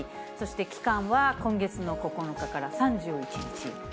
そして期間は今月の９日から３１日。